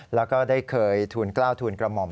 แล้วก็ได้เคยทูลกล้าวทูลกระหม่อม